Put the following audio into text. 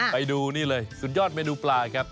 ไปดูนี่เลยสุดยอดเมนูปลาครับ